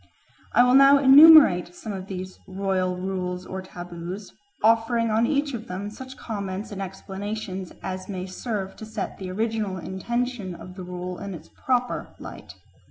I will now enumerate some of these royal rules or taboos, offering on each of them such comments and explanations as may serve to set the original intention of the rule in its proper light.